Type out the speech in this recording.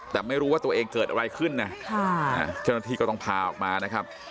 แต่ไม่รู้ว่าตัวเองเกิดอะไรขึ้นนะเจ้าหน้าที่ก็ต้องพาออกมานะครับ